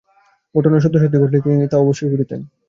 ঘটনা সত্যি-সত্যি ঘটলে তিনি তা অবশ্যই করতেন!